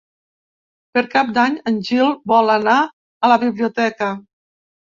Per Cap d'Any en Gil vol anar a la biblioteca.